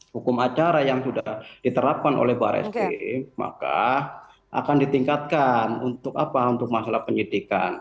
hukum acara yang sudah diterapkan oleh barreskrim maka akan ditingkatkan untuk apa untuk masalah penyidikan